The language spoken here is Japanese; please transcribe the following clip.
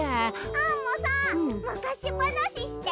アンモさんむかしばなしして。